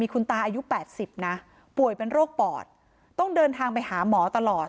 คุณตาอายุ๘๐นะป่วยเป็นโรคปอดต้องเดินทางไปหาหมอตลอด